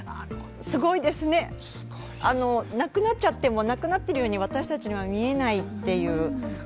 すごいですねなくなっちゃってもなくなってるようには私たちには見えないという。